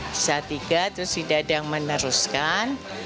di salatiga terus tidak ada yang meneruskan